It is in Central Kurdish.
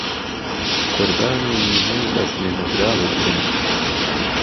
قوربانی لیمۆی دهست لێنەدراوت بم